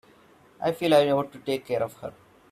I feel I ought to take care of her.